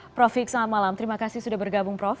prof hik selamat malam terima kasih sudah bergabung prof